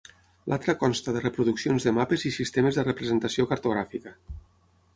L'altra consta de reproduccions de mapes i sistemes de representació cartogràfica.